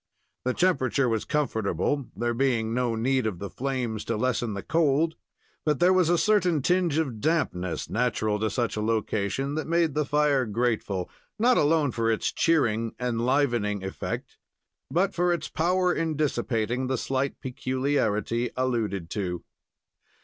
The temperature was comfortable, there being no need of the flames to lessen the cold; but there was a certain tinge of dampness, natural to such a location, that made the fire grateful, not alone for its cheering, enlivening effect, but for its power in dissipating the slight peculiarity alluded to.